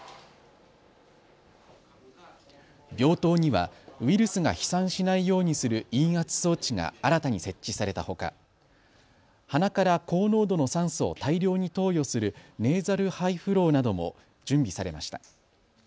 病棟にはウイルスが飛散しないようにする陰圧装置が新たに設置されたほか鼻から高濃度の酸素を大量に投与するネーザルハイフローなども準備されました。